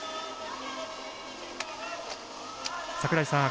櫻井さん